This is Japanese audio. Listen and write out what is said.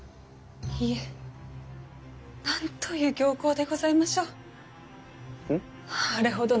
いえなんという僥倖でございましょう。